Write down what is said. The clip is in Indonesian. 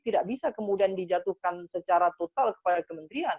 tidak bisa kemudian dijatuhkan secara total kepada kementerian